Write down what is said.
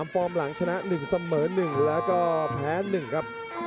ฟอร์มหลังชนะ๑เสมอ๑แล้วก็แพ้๑ครับ